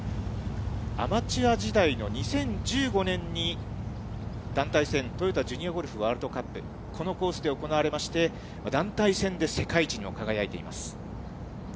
アマチュア時代の２０１５年に、団体戦トヨタジュニアゴルフワールドカップ、このコースで行われまして、団体戦で世界一にも輝いています。